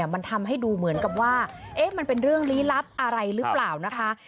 มันทำให้ดูเหมือนกับว่ามันเป็นเรื่องลี้ลับอะไรหรือเปล่านะคะ